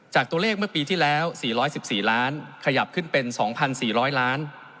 จากตัวเลขเมื่อปีที่แล้ว๔๑๔ล้านขยับขึ้นเป็น๒๔๐๐ล้าน